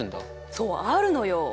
そうあるのよ。